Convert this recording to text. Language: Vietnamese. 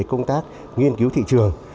công tác nghiên cứu thị trường